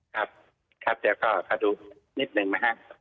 ครับครับเดี๋ยวก็ขอดูนิดหนึ่งนะครับ